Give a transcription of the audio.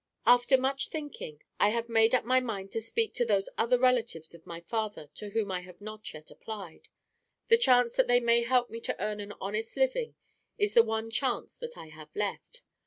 "After much thin king, I have made up my mind to speak to those other relatives of my father to whom I have not yet applied. The chance that they may help me to earn an honest living is the one chance that I have left.